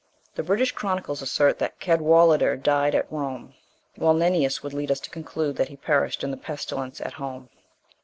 (5) The British chronicles assert that Cadwallader died at Rome, whilst Nennius would lead us to conclude that he perished in the pestilence at home.